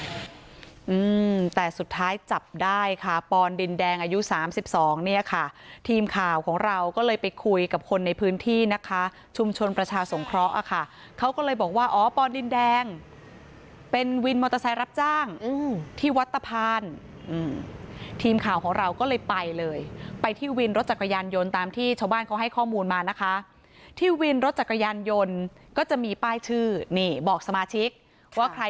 อืมแต่สุดท้ายจับได้ค่ะปอนดินแดงอายุสามสิบสองเนี่ยค่ะทีมข่าวของเราก็เลยไปคุยกับคนในพื้นที่นะคะชุมชนประชาสงเคราะห์อ่ะค่ะเขาก็เลยบอกว่าอ๋อปอดินแดงเป็นวินมอเตอร์ไซค์รับจ้างอืมที่วัดตะพานอืมทีมข่าวของเราก็เลยไปเลยไปที่วินรถจักรยานยนต์ตามที่ชาวบ้านเขาให้ข้อมูลมานะคะที่วินรถจักรยานยนต์ก็จะมีป้ายชื่อนี่บอกสมาชิกว่าใคร